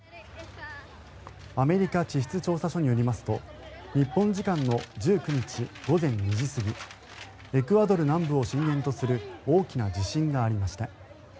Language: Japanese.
アメリカ地質調査所によりますと日本時間の１９日午前２時過ぎエクアドル南部を震源とする大きな地震がありました。